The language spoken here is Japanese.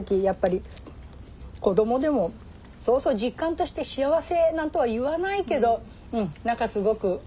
やっぱり子どもでもそうそう実感として「幸せ」なんとは言わないけど何かすごく。